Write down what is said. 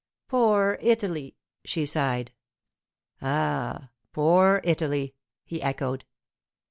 'Poor Italy!' she sighed. 'Ah—poor Italy!' he echoed.